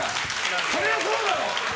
そりゃそうだろ！